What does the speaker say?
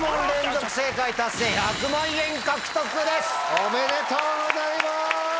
おめでとうございます！